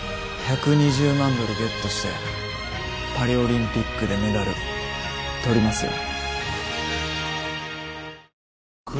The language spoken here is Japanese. １２０万ドルゲットしてパリオリンピックでメダルとりますよ